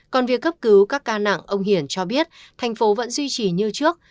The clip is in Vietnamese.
còn việc cấp cứu các ca nặng ông hiển cho biết thành phố vẫn duy trì như trước